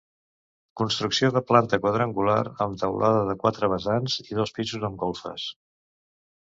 Construcció de planta quadrangular, amb teulada de quatre vessants i dos pisos amb golfes.